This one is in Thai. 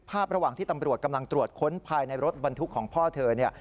ภาพระหว่างที่ตำรวจกำลังตรวจคนภายในรถบันทึกของพ่อเธอ